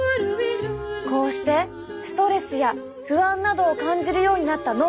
こうしてストレスや不安などを感じるようになった脳。